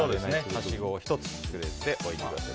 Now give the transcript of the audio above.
はしごを１つ触れて置いてください。